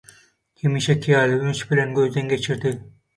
Hemişeki ýaly üns bilen gözden geçirdi.